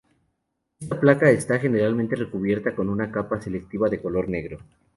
Esta placa está generalmente recubierta con una capa selectiva de color negro.